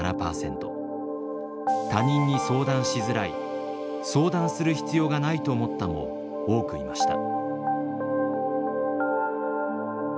「他人に相談しづらい」「相談する必要がないと思った」も多くいました。